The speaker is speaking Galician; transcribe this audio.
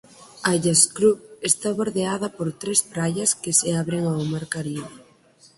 A illa Scrub esta bordeada por tres praias que se abren ao mar Caribe.